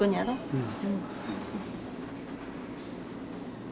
うん。